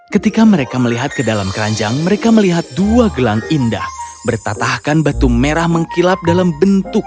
ketika mereka melihat ke dalam keranjang mereka melihat dua gelang indah bertatahkan batu merah mengkilap dalam bentuk